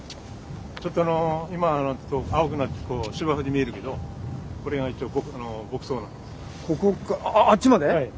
ちょっと今青くなって芝生に見えるけどこれが一応牧草なんです。